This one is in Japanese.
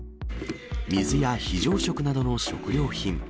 水や非常食などの食料品。